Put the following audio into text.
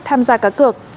tham gia các cược